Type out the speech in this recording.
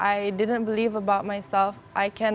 jadi saya ingin mengatakan kepada semua orang